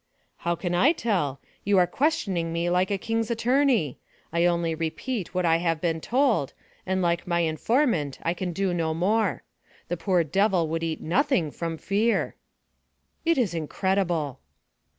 "How can I tell? You are questioning me like a king's attorney. I only repeat what I have been told, and like my informant I can do no more. The poor devil would eat nothing, from fear." "It is incredible!"